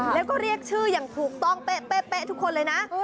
แล้วก็เรียกชื่ออย่างถูกต้องเป๊ะทุกคนเลยนะ